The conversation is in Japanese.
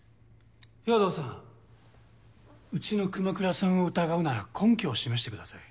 豹堂さんうちの熊倉さんを疑うなら根拠を示してください。